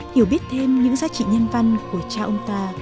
hiểu biết thêm những giá trị nhân văn của cha ông ta